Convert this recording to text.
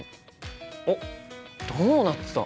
おっドーナツだ！